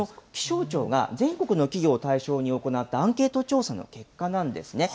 こちら、気象庁が全国の企業を対象に行ったアンケート調査の結果なんですね。